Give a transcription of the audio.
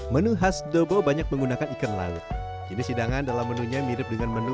menu khas dobo banyak menggunakan ikan laut kini hidangan dalam menunya mirip dengan menu